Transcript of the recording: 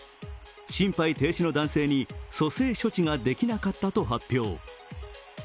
心肺停止の男性に蘇生処置ができなかったと発表。